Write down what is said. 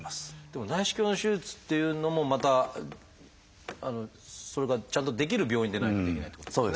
でも内視鏡の手術っていうのもまたそれがちゃんとできる病院でないとできないってことですよね。